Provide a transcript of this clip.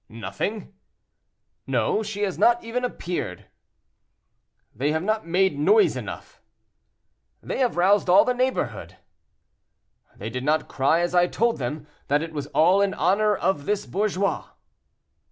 "—"Nothing?" "No; she has not even appeared." "They have not made noise enough." "They have roused all the neighborhood." "They did not cry as I told them, that it was all in honor of this bourgeois."